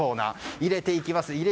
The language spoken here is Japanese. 入れていきます。